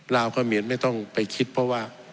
ลาวเขมียนไม่ต้องไปคิดเพราะว่า